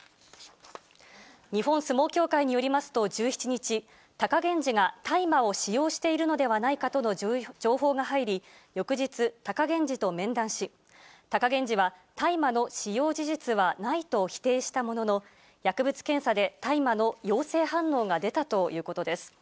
日本相撲協会によりますと、１７日、貴源治が大麻を使用しているのではないかとの情報が入り、翌日、貴源治と面談し、貴源治は大麻の使用事実はないと否定したものの、薬物検査で大麻の陽性反応が出たということです。